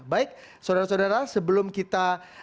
baik saudara saudara sebelum kita